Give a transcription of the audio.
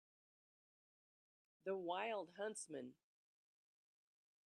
The wild huntsman